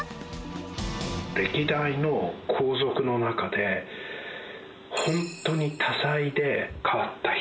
歴代の皇族の中でホントに多才で変わった人。